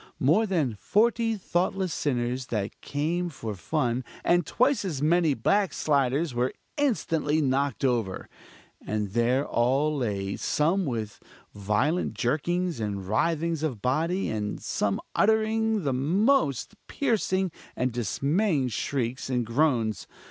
more than forty thoughtless sinners that came for fun, and twice as many backsliders were instantly knocked over! and there all lay, some with violent jerkings and writhings of body, and some uttering the most piercing and dismaying shrieks and groans!